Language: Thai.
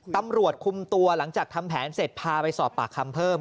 ตำรวจคุมตัวหลังจากทำแผนเสร็จพาไปสอบปากคำเพิ่ม